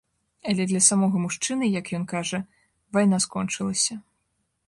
Але для самога мужчыны, як ён кажа, вайна скончылася.